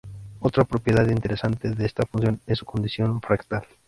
Otra propiedad interesante de esta función es su condición fractal.